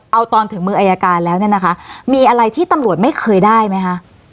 เอาตอนถึงมืออายการแล้วเนี่ยนะคะมีอะไรที่ตำรวจไม่เคยได้ไหมคะ